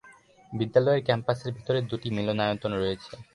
বিদ্যালয়ের ক্যাম্পাসের ভিতরে দুটি মিলনায়তন রয়েছে।